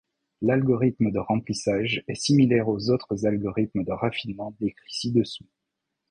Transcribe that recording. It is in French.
L'algorithme de remplissage est similaire aux autres algorithmes de raffinement décrits ci-dessous.